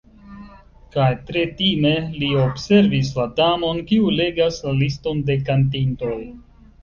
Kaj tre time li observis la Damon, kiu legas la liston de kantintoj.